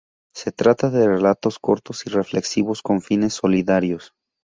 Se trata de relatos cortos y reflexivos con fines solidarios.